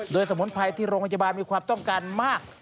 โดยสมุนไพรที่โรงพยาบาลมีความต้องการมาก